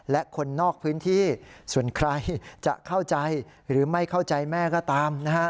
และคนนอกพื้นที่ส่วนใครจะเข้าใจหรือไม่เข้าใจแม่ก็ตามนะฮะ